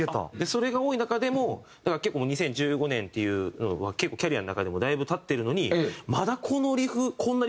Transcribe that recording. それが多い中でも結構２０１５年っていうのは結構キャリアの中でもだいぶ経ってるのにまだこのリフこんなリフあったんか！